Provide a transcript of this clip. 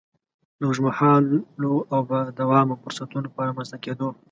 د اوږد مهالو او با دوامه فرصتونو په رامنځ ته کېدو.